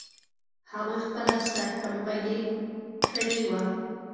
هغوی خپله سرټمبه ګي کړې وه.